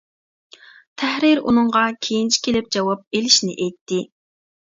تەھرىر ئۇنىڭغا كېيىنچە كېلىپ جاۋاب ئېلىشنى ئېيتتى.